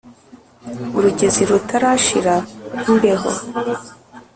urugezi rutarashira imbeho